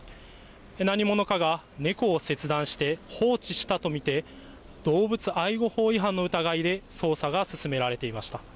何者かが猫を切断して、放置したと見て、動物愛護法違反の疑いで捜査が進められていました。